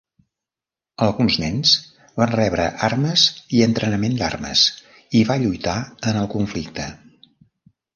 Alguns nens van rebre armes i entrenament d'armes i va lluitar en el conflicte.